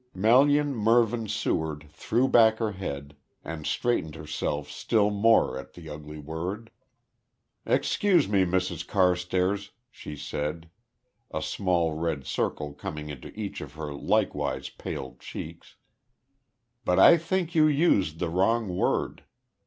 Melian Mervyn Seward threw back her head, and straightened herself still more at the ugly word. "Excuse me, Mrs Carstairs," she said, a small red circle coming into each of her likewise paled cheeks, "but I think you used the wrong word.